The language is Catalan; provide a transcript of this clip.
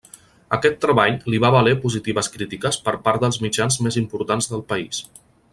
Aquest treball li va valer positives crítiques per part dels mitjans més importants del país.